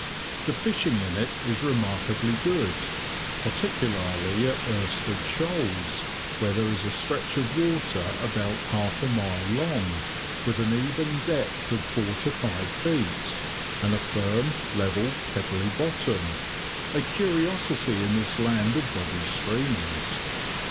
The fishing in it is remarkably good, particularly at Irstead shoals, where there is a stretch of water about half a mile long, with an even depth of four to five feet, and a firm, level, pebbly bottom, a curiosity in this land of boggy streams.